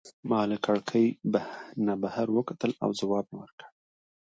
ما له کړکۍ نه بهر وکتل او ځواب مي ورکړ.